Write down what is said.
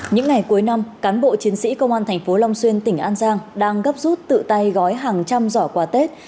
những ngày cuối năm cán bộ chiến sĩ công an thành phố long xuyên tỉnh an giang đang gấp rút tự tay gói hàng trăm giỏ quà tết